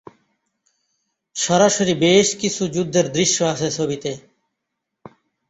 সরাসরি বেশ কিছু যুদ্ধের দৃশ্য আছে ছবিতে।